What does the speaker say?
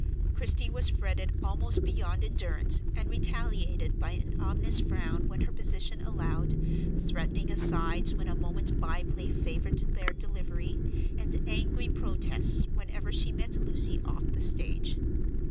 Christie was fretted almost beyond endurance, and retaliated by an ominous frown when her position allowed, threatening asides when a moment's by play favored their delivery, and angry protests whenever she met Lucy off the stage.